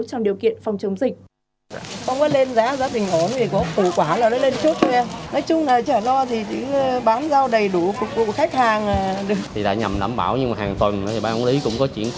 trong điều kiện phòng chống dịch